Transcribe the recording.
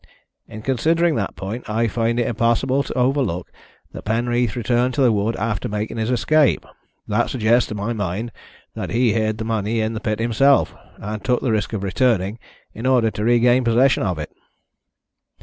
In considering that point I find it impossible to overlook that Penreath returned to the wood after making his escape. That suggests, to my mind, that he hid the money in the pit himself, and took the risk of returning in order to regain possession of it."